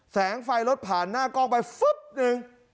แสงไฟรถผ่านหน้ากล้องไปฟึ๊บหนึ่ง